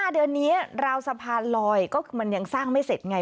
เดือนนี้ราวสะพานลอยก็คือมันยังสร้างไม่เสร็จไง